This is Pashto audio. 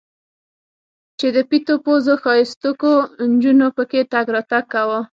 چې د پيتو پوزو ښايستوکو نجونو پکښې تګ راتګ کاوه.